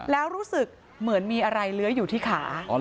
แล้วรู้สึกเหมือนมีอะไรเลื้อยอยู่ที่ขา